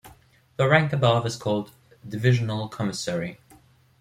The rank above is called "divisional commissary".